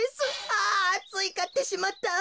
あついかってしまった。